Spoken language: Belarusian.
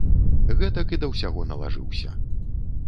Гэтак і да ўсяго налажыўся.